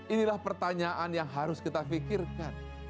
inilah pertanyaan yang harus kita pikirkan